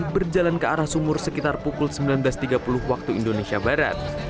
berjalan ke arah sumur sekitar pukul sembilan belas tiga puluh waktu indonesia barat